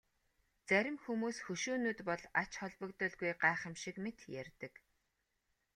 Зарим хүмүүс хөшөөнүүд бол ач холбогдолгүй гайхамшиг мэт ярьдаг.